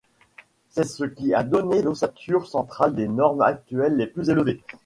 C'est ce qui a donné l'ossature centrale des mornes actuellement les plus élevés.